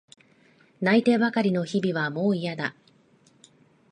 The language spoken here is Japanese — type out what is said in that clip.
泣いてばかりの日々はもういやだ。